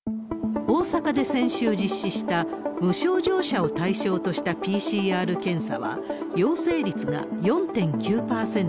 大阪で先週実施した、無症状者を対象としたＰＣＲ検査は、